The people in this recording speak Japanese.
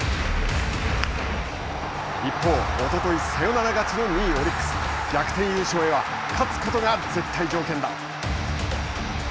一方、おとといサヨナラ勝ちの２位オリックス。逆転優勝へは勝つことが絶対条件だ。